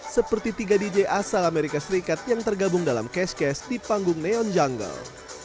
seperti tiga dj asal amerika serikat yang tergabung dalam cash cash di panggung neon jungle